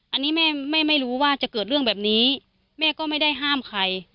อันนี้แม่ไม่รู้ว่าจะเกิดเรื่องแบบนี้แม่ก็ไม่ได้ห้ามใคร